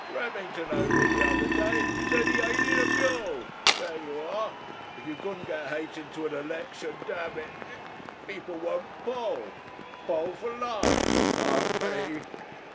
Remington owned it the other day, said he hated a mu'll. There you are! If you couldn't get hate into an election, damn it (hic) people wou'n't poll. Poll for love! no' me!"